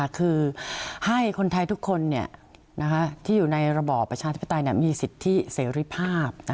คือให้คนไทยทุกคนที่อยู่ในระบอบประชาธิปไตยมีสิทธิเสรีภาพ